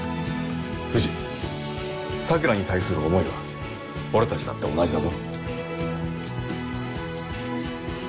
藤桜に対する思いは俺たちだって同じだぞ。